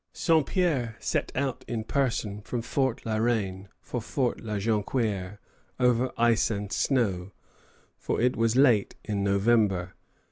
Saint Pierre set out in person from Fort La Reine for Fort La Jonquière, over ice and snow, for it was late in November.